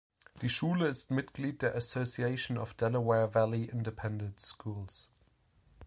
Die Schule ist Mitglied der „Association of Delaware Valley Independent Schools“.